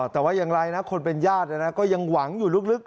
แต่ว่าอย่างไรนะคนเป็นญาติก็ยังหวังอยู่ลึก